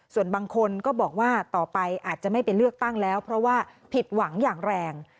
ส่วนบางคนก็บอกว่าต่อไปอาจจะไม่ไปเลือกตั้งแล้วเพราะว่าผิดหวังอย่างแรง